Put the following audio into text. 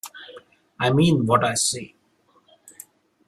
I mean what I say.